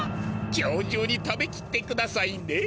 今日中に食べきってくださいね。